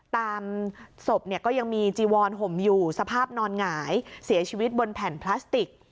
ตามศพเนี่ยก็ยังมีจีวอนห่มอยู่สภาพนอนหงายเสียชีวิตบนแผ่นพลาสติก